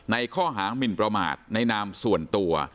ในข้อหามินประมาทในนามส่วนตัว